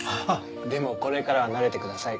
でもこれからは慣れてください。